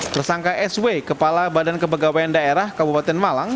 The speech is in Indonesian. tersangka sw kepala badan kepegawaian daerah kabupaten malang